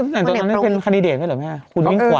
ตอนนั้นเป็นคันดิเดตก็เลยไหมฮะคุณมิ้งขวัญ